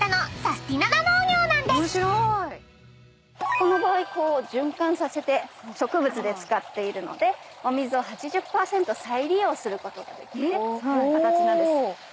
この場合循環させて植物で使っているのでお水を８０％再利用することができる形なんです。